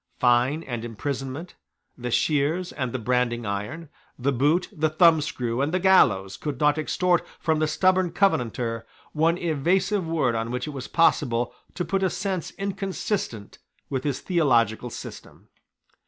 Fine and imprisonment, the sheers and the branding iron, the boot, the thumbscrew, and the gallows could not extort from the stubborn Covenanter one evasive word on which it was possible to put a sense inconsistent with his theological system.